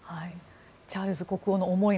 チャールズ国王の思い